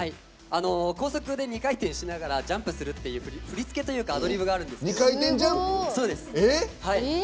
高速で２回転しながらジャンプするっていう振り付けというかアドリブがあるんですよ。